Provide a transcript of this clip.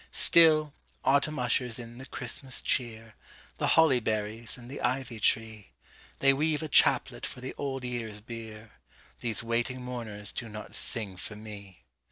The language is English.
Still, autumn ushers in the Christmas cheer, The holly berries and the ivy tree:They weave a chaplet for the Old Year's bier, These waiting mourners do not sing for me!